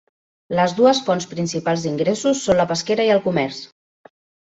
Les dues fonts principals d'ingressos són la pesquera i el comerç.